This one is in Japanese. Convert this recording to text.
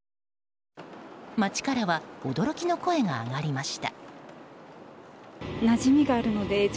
街からは驚きの声が上がりました。